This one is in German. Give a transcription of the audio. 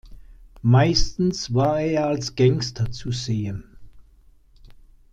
Meistens war er als Gangster zu sehen.